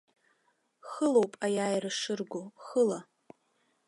Хылоуп аиааира шыргало, хыла!